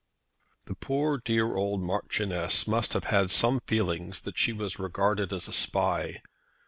The poor dear old Marchioness must have had some feeling that she was regarded as a spy.